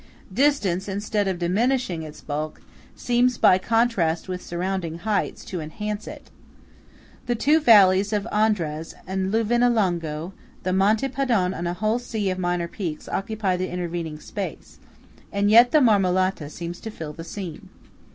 Distance, instead of diminishing its bulk, seems by contrast with surrounding heights, to enhance it. The two valleys of Andraz and Livinallungo, the Monte Padon and a whole sea of minor peaks occupy the intervening space; and yet the Marmolata seems to fill the scene.